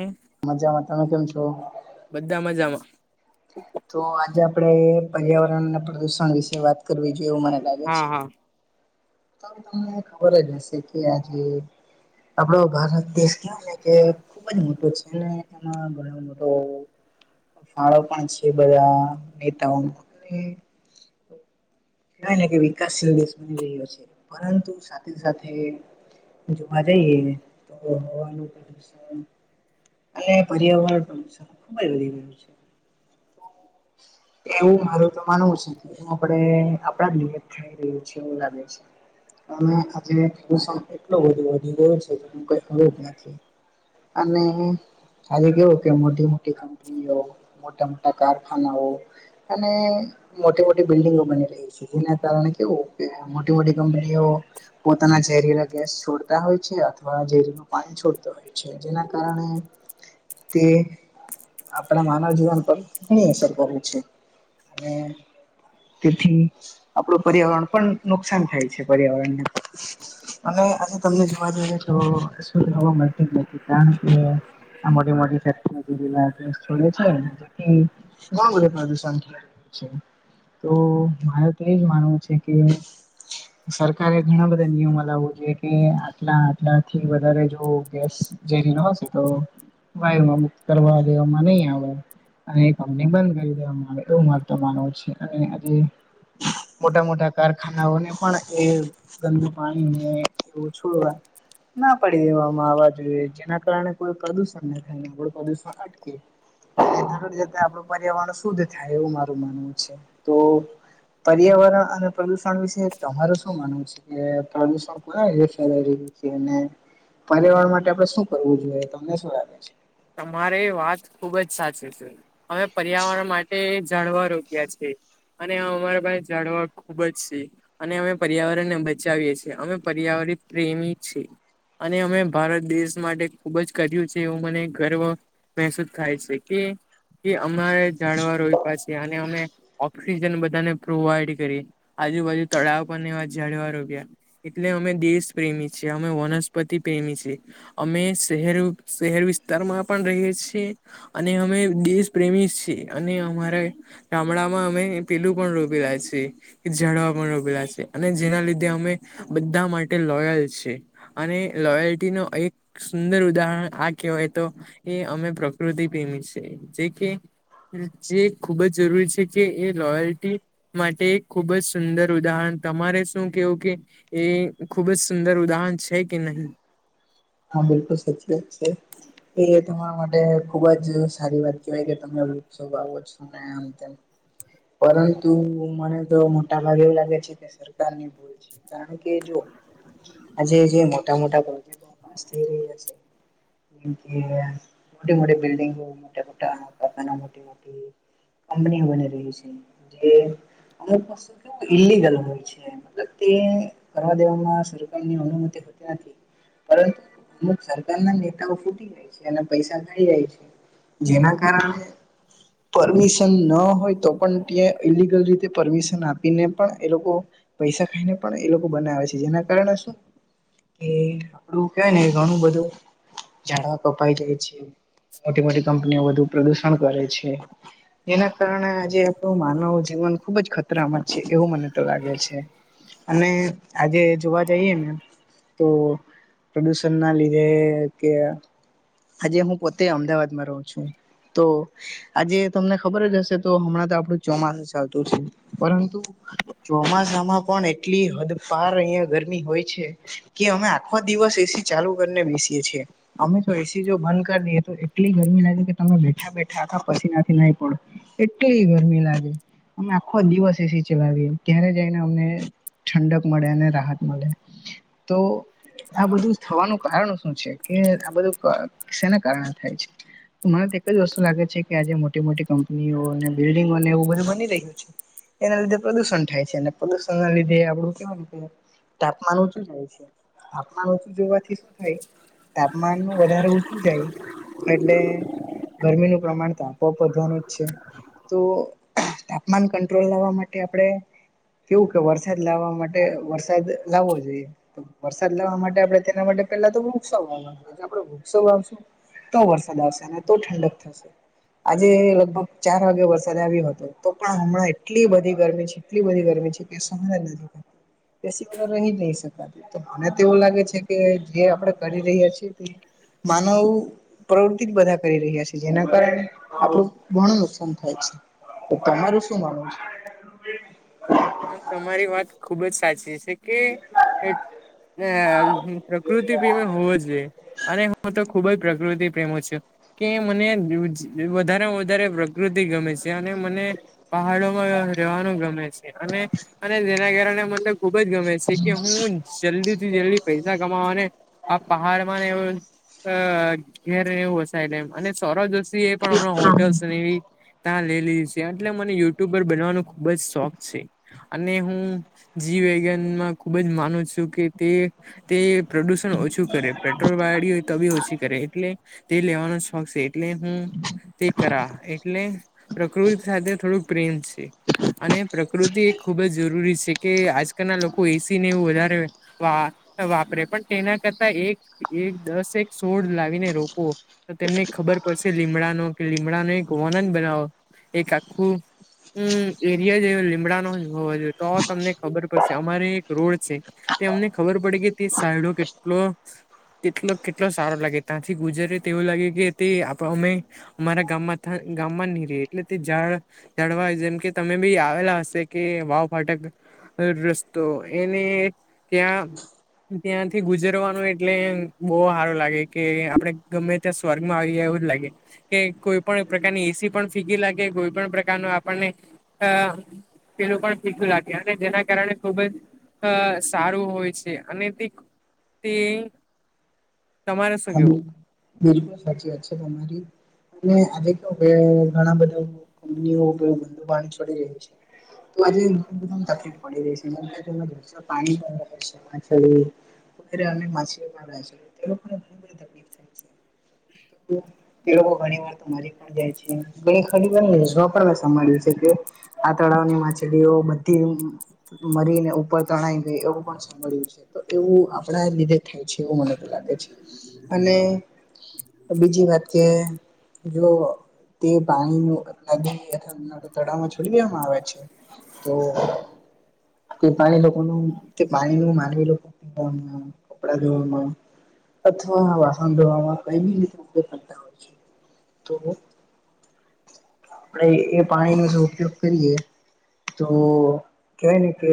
હમ મજામાં તમે કેમ છો? બધા મજામાં તો આજે આપડે પર્યાવરણ અને પ્રદુષણ વિશે વાત કરવી જોઈએ એવું મને લાગે. હા છે. હા તો તમને ખબર જ હશે કે આજે. આપડો ભારત દેશ ક ને કે ખુબ જ મોટો છે ને એમાં ફળો પણ છે બધા નેતાઓ ક ને કે વિકાસશીલ દેશ બની રહ્યો છે પરંતુ સાથે સાથે જોવા જઈએ તો હવાનું પ્રદુષણ અને પર્યાવરણ પ્રદૂષણ ખુબ જ વધી ગયું છે. એવું મારું તો માનવું છે કે એ આપણે આપડા લ થાઈ રહ્યું છે એવું લાગે છે અને આજે પ્રદૂષણ એટલું બધું વધી ગયો છે જે હું કઈ અું જ નથી અને આજે કેવું કે મોટી મોટી કંપનીઓ મોટા મોટા કારખાનાઓ અને મોટી મોટી બિલ્ડિંગો બની રહી. જેને કારણે કેવું કે મોટી મોટી કંપનીઓ પોતાના ઝેરીલા ગેસ છોડતા હોય છે અથવા ઝેરીલ પાણી છોડતો હોય. છે જેના કારણે તે આપણા માનવ જીવન પર ઘણી અસર કરું છે અને તેથી આપણું પર્યાવરણ પણ નુકસાન થાય છે પર્યાવરણને અને આજે તમને જોવા જઈએ તો શું જોવા મળતી નથી કારણ કે આ મોટી મોટી ફેક્ટરી [unintelligible] ગેસ છોડે છે ને જેથી બધું પ્રદૂષન તો મારે તો એજ માનવું છે કે સરકારે ઘણા બધા નિયમો લાવવો જોઈએ કે આટલા આટલાથી વધારે જો ગેસ ઝેરીલો હશે તો વાયુ માં મુક્ત કરવા દેવામાં નહી આવે. અને એ કંપની બંધ કરી દેવામાં આવે એવું મારુ તો માનવું છે અને આજે મોટા મોટા કારખાનાઓને પણ એ ગંદું પાણી ને એવું છોડવા ના પાડી દેવામાં આવવા જોઈએ જેના કારણે કોઈ પ્રદુષણ ન થાય આપડુ પ્રદુષણ અટકે આગળ જતા આપડું પર્યાવરણ શુદ્ધ થાય એવું મારું માનવું છે તો પર્યાવરણ અને પ્રદુષણ વિશે તમારુ શું માનવું છે કે પ્રદુષણ કોના લીધે ફેલાઈ રહ્યું છે અને પર્યાવરણ માટે આપડે શું કરવું જોઈએ તમને શું લાગે છે તમારે વાત ખુબ જ સાચી છે અવે પર્યાવરણ માટે ઝાળવા રોપ [unintelligible] છે અને અમારા પાસે ઝાડવા ખુબ જ સે અને અમે પર્યાવરણ ને બચાવીએ છીએ અમે પર્યાવરિત પ્રેમી છે. અને અમે ભારત દેશ માટે ખુબ જ કર્યું છે એવું મને ગર્વ મહેસૂસ થાય છે કે કે અમારે ઝાડવા રોઈપા છે અને અમે ઓક્સિજન બધાને પ્રોવાઈડ કરી આજુબાજુ તળાવ પર ને એવા ઝાડવા રોપ્યા. એટલે અમે દેશ પ્રેમી છે અમે વનસ્પતિ પ્રેમી છે. અમે શહેર શહેર વિસ્તારમાં પણ રહીએ છીએ. અને અમે દેશ પ્રેમી છીએ અને અમારા ગામડામાં અમે પેલું પણ રોપી રહ્યા છે. ઝાડવા પણ રોપેલા છે અને જેના લીધે અમે બધા માટે લોયલ છે. અને લોયલ્ટી નો એક સુંદર ઉદાહરણ આ કહેવાય તો એ અમે પ્રકૃતિ પ્રેમી છે જે કે જે ખુબ જ જરૂરી છે કે એ લોયલ્ટી માટે એક ખૂબ જ સુંદર ઉદાહરણ તમારે શું કેવું કે એ ખુબ જ સુંદર ઉદાહરણ છે કે નહીં. હા બિલકુલ સાચી વાત છે. એ તમારા માટે ખુબ જ સારી વાત કહેવાય કે તમે વૃક્ષો વાવો છો. આમ તેમ પરંતુ મને તો મોટા ભાગે એવું લાગે છે કે સરકારની કારણ કે જો આજે જે મોટા મોટા પાસ થઈ રહ્યા છે. જેમ કે મોટી મોટી બિલ્ડીંગો મોટા મોટા કારખાના મોટી મોટી કપની બની રહી છે જે અમુક પાસુ કેવુ ઈલીગલ હોય છે. મતલબ તે કરવા દેવામાં સરકારની અનુમતિ હોતી નથી. પરંતુ અમુક સરકાર ના નેતાઓ ફૂટી જાય છે અને પૈસા કાઢી જાય છે. જેના કારણે પરમિશન ન હોય તો પણ ત્યા ઇલલીગલ રીતે પરમિશન આપીને પણ એ લોકો પૈસા ખાઈને પણ એ લોકો બનાવે છે જેના કારણે શું કે આપડું કેવાય ને ઘણું બધું ઝાડવા કપાઈ જાય છે. મોટી મોટી કંપનીઓ વધુ પ્રદુષણ કરે છે. એના કારણે આજે આપણું માનવ જીવન ખુબ જ ખતરામાં જ છે એવું મને તો લાગે છે. અને આજે જોવા જઈએ ને તો પ્રદુષણ ના લીધે કે આજે હું પોતે અમદાવાદમાં રહું છું તો આજે તમને ખબર જ હશે તો હમણાં તો આપણું ચોમાસું ચાલતું છે પરંતુ ચોમાસામાં પણ એટલી હદપાર અહિયાં ગરમી હોય છે. કે અમે આખો દિવસ એસી ચાલુ કરીને બેસીએ છીએ અમે તો એસી જો બંધ કરી દેએ તો એટલી ગરમી લાગે કે તમે બેઠા બેઠા આખા પસીનાથી નાહી પડો એટલી ગરમી લાગે અમે આખો દિવસ એસી ચલાવી ત્યારે જઈને અમને ઠંડક મળે અને રાહત મળે. તો આ બધું થવાનું કારણ શું છે કે આ બધું પણ શેના કારણે થાય છે. મને તો એક જ વસ્તુ લાગે છે કે આજે મોટી મોટી કંપનીઓ અને બિલ્ડીિંગોને એવું બધું બની રહ્યું છે. એના લીધે પ્રદુષણ થાય છે અને પ્રદુષણ ના લીધે આપડું તાપમાન ઊંચું જાય છે તાપમાન ઊંચું જોવાથી શું થાય તાપમાન [unintelligible] વધારે ઊંચું જાય. એટલે ગરમીનું પ્રમાણ તો આપોઆપ વધવાનું જ છે. તો તાપમાન કંટ્રોલ લાવવા માટે આપણે કેવું કે વરસાદ લાવવા માટે વરસાદ લાવવો જોઈએ. વરસાદ લાવવા માટે આપડે તેના માટે પેલા તો વૃક્ષાવાવવા. તો આપડે વૃક્ષો વાવશું તો વરસાદ આવશે અને તો ઠંડક થશે આજે લગભગ ચાર વાગે વરસાદ આવ્યો હતો તો પણ હમણાં એટલી બધી ગરમી છે. એટલી બધી ગરમી છે કે સમજાતું જ નોતું એસી વગર તો રહી નહી શકાત તો મને તો એવું લાગે છે કે જે આપણે કરી રહ્યા છીએ માનવ પ્રવૃતિ જ બધા કરી રહ્યા છે જેના કારણે આપણું ઘણું નુકસાન થાય છે. તો તમારું શું માનવું છે. પણ તમારી વાત ખુબ જ સાચી છે. કે [unintelligible] પ્રકૃતિ હોવો જોઈએ અને હું તો ખુબ જ પ્રકૃતિ પ્રેમો છે. કે મને વધારે વધારે પ્રકૃતિ ગમે છે અને મને પહાડોમાં રહેવાનું ગમે છે. અને અને તેના કારણે મન તો ખુબજ ગમે છે કે હું જલ્દી થી જલ્દી પૈસા કમાવાને આ પહાડ માં ને એવ અ ઘેર ને વસાય લમ અને સોરો દ એપણ હણાં હોટસ એ ત્યાં લે લીધી છે એટલે મને યુટ્યુબ પર બન અને હું જીવૈજ્ઞાન માં ખુબ જ માનું છું કે તે તે પ્રદુષણ ઓછું કરે પેટ્રોલ વાળી હોય તો બી ઓછી કરે એટલે તે લેવાનો શોખ છે. એટલે હું તે કરા એટલે પ્રકૃતિ સાથે થોડુંક પ્રેમ છે. અને પ્રકૃતિ એ ખૂબ જ જરૂરી છે. કે આજકાલના લોકો એસી ને એવું વધારે વા વાપરે પણ તેના કરતા એક એક દસ એક સોળ લાવીને રોપો તો તેમને ખબર પડશે લીમડાનો કે લીમડા ન એક હોનન બનાવો એક આખું હમ એરિયા જે લીમડાનો હો જોઈએ તો તમને ખબર પડશે અમારે એક રોડ છે. તે એમને ખબર પડી કે તે સાઈડો કેટલો કેટલો કેટલો સારો લાગે ત્યાંથી ગુજરે તો એવું લાગે કે તે આપ અમે અમ રા ગામમાં ગામમાં નહી ર એટલે તે જળ જળવા જેમ કે તમે બી આવેલા શકે વાવ ફાટક રસ્તો એને ત્યાં ત્યાંથી ગુજરવાનું એટલે બહુ સારો લાગે કે આપડે ગમે ત્યા સ્વર્ગમાં આવી એવું જ લાગે. કે કોઈ પણ પ્રકારની એસી પણ ફીગી લાગે કોઈ પણ પ્રકારનું આપણને અ પેલું પણ ભીગું લાગે અને જેના કારણે ખુબ જ સારું હોય છે અને તે તે તમારે શું કેવું? હાલો બિલકુલ સાચી વાત છે તમારી આજે કે ઘણા બધા કંપનીઓ બ પાણી છોડી રહી છે તો આજે બધા ને તકલીફ પડી રહી છે. પાણી છેછક માછલી પણ છે. લોકોને ઘણી બધી તકલીફ થાય છે તે લોકો ઘણી વાર તો મારી પણ જાય છે અને ખરી વાર [unintelligible] આ તળાવની માછલીઓ બધી મરીને ઉપર તણાઈ ગઈ એવું પણ. છે તો એવું આપણા લીધે થાય છે એવું મને તો લાગે છે અને. બીજી વાત કે જો તે પાણી લાગી અથવા. તડાવમાં છલમાં આવે છે તો. પાણી લોકોનું પાણી ન માનવી પી કપડા ધોવામાં. અથવા વાહન ધોવામાં ક રીતે કરતા હોય છે તો. આપણે એ પાણી નો જો ઉપયોગ કરીએ. તો કેવા ને કે.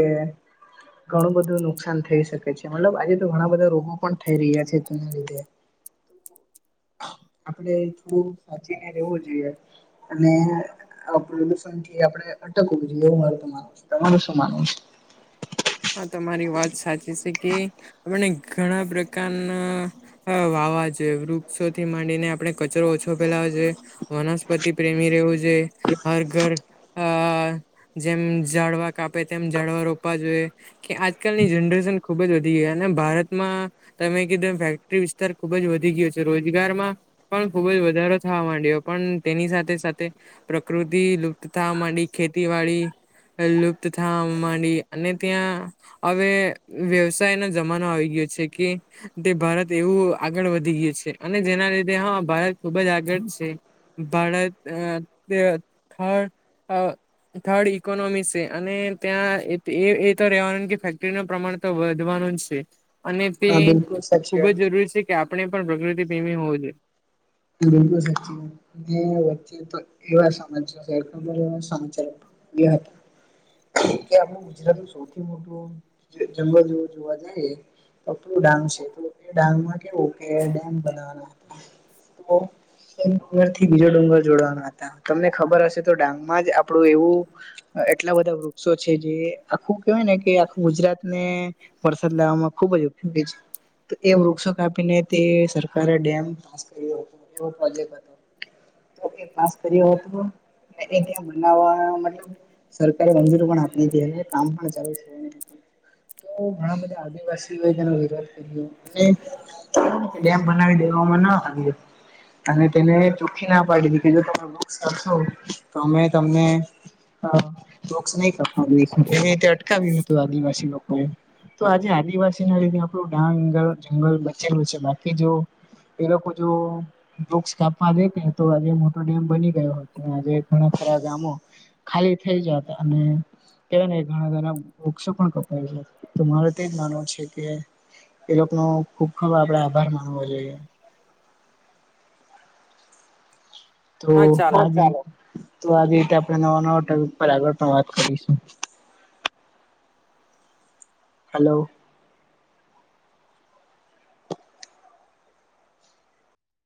ઘણું બધું નુકસાન થઈ શકે છે મતલબ આજે તો ઘણા બધા રોગો પણ થઈ રહ્યા છે તેના લીધે. આપડે થોડું સાચીને રહેવું જોઈએ. અને પ્રદુષણ થી આપડે અટકવું જોઈએ એવું મારું તો માનવું છે તમારું શું માનવું છે. હા તમારી વાત સાચી છે કે આપને ઘણા પ્રકારના. હ વાવા જોએ વૃક્ષોથી માંડીને આપણે કચરો ઓછો ફેલાવ જોઈએ. વનસ્પતિ પ્રેમી રહેવું છે હર ઘર. અ જેમ ઝાડવા કાપે તેમ ઝાડવા રોપવા જોઈએ. કે આજકાલની જનરેશન ખુબ જ વધી ગઈ અને ભારતમાં. તમે કીધું ફેક્ટરી વિસ્તાર ખુબ જ વધી ગયો છે રોજગારમાં. પણ ખુબ જ વધારો થવા માંડયો પણ તેની સાથે સાથે. પ્રકૃતિ લુપ્ત થવા માંડી ખેતીવાડી લુપ્ત થવા માંડી અને. ત્યાં હવે વ્યવસાય નો જમાનો આવી ગયો છે કે. તે ભારત એવું આગળ વધી ગયું છે અને જેના લીધે હા ભારત ખુબ જ આગળ છે. બાડ તે ખ. [inaudible] થર્ડ ઇકોનોમી છે અને ત્યાં એ. તો રેવા ફેક્ટરી ન પ્રમાણ તો વધવાનું જ છે અને તે હા બિલકુલ સાચી ખુબ વાત જ જરૂરી છે. કે આપણે પણ પ્રકૃતિ પ્રેમી હોવું જોઈએ. બલ તો સચી. [unintelligible] વચ્ચે તો એવા સમાચારબર એ સમાચાર હતા. કે આપણું ગુજરાત નું સૌથી મોટું જંગલ જો જોવા જઈ. પપડું ડાંગ છે તો એ ડાંગ માં કેવું કે ડેમ બનાવવાના હતા. તોર થી બીજો ડુંગર જોડાવાના હતા. તમને ખબર હશે તો ડાંગમાં જ આપડું એવું. એટલા બધા વૃક્ષો છે જે આખું કેહેવાય ને કે આખું ગુજરાતને. વરસાદ લાવવામાં ખુબજ ઉપયોગી છે. તો એ વૃક્ષો કાપીને તે સરકારે ડેમ પાસ કરી. એવો પ્રોજેક્ટ હતો. એ પાસ કર્યો હતો ત્યાં બનાવવા મતલબ. સરકારે મંજૂરી પણ આપી છે કામ પણ ચાલુ છે. તો ઘણા બધા આદિવાસીઓ તેનો વિરોધ કર્યો અને. ડેમ બનાવી દેવામાં ન આવી હતી. અને તેને ચોખ્ખી ના પાડી દ કે જો તમે કરશો તો અમે તમને. હા વૃક્ષ નહીં કપાવવા દેશુ એવી રીતે અટકાવ્યું હતું આદિવાસી લોકોએ. તો આજે આદિવાસી ના લીધે આપણું ડાંગ જંગલ બચેલું છે બાકી જો. ઈ લોકો જો વૃક્ષ કાપવા દે કે તો આજે મોટો ડેમ બની ગયો હતો આજે ઘણા ખરા ગામો. ખાલી થઇ જાત અને. કેલા ઘણા ઘણા વૃક્ષો પણ કપાય છે તો મારે તેજ માનવું છે કે. એ લોકોનોો ખૂબ ખૂબ આપડે આભાર માનવો જોઈએ. તો હા ચાલો. આ તો આ રીતે આપણે નવા નવા પર આગળ પણ વાત કરીશું હલો